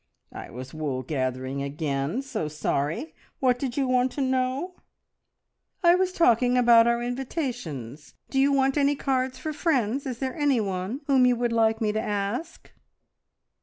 "I was wool gathering again. So sorry! What did you want to know?" "I was talking about our invitations. Do you want any cards for friends? Is there anyone whom you would like me to ask?"